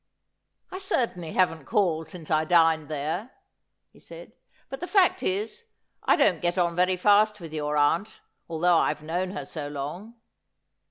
' I certainly haven't called since I dined there,' he said ;' but the fact is, I don't get on very fast with your aunt, although I've known her so long.'